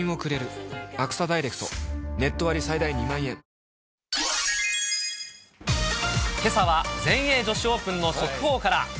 速報、けさは、全英女子オープンの速報から。